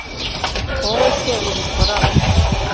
Wowe se ubibona ute